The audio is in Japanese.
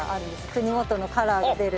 国ごとのカラーが出る。